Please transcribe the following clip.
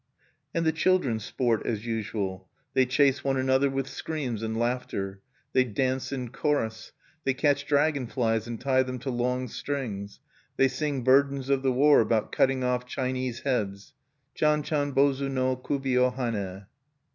And the children sport as usual. They chase one another with screams and laughter; they dance in chorus; they catch dragon flies and tie them to long strings; they sing burdens of the war, about cutting off Chinese heads: "_Chan chan bozu no Kubi wo hane!